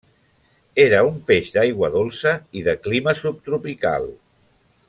Era un peix d'aigua dolça i de clima subtropical.